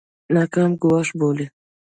ناکام کوښښ بولي.